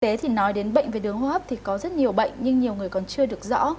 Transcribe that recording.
tế thì nói đến bệnh về đường hô hấp thì có rất nhiều bệnh nhưng nhiều người còn chưa được rõ